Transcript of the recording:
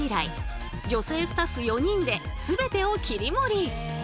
女性スタッフ４人で全てを切り盛り。